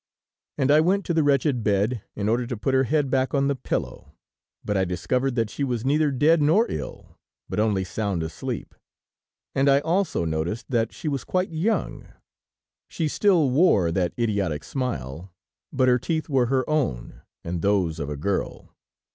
And I went to the wretched bed, in order to put her head back on the pillow, but I discovered that she was neither dead nor ill, but only sound asleep, and I also noticed that she was quite young. She still wore that idiotic smile, but her teeth were her own and those of a girl.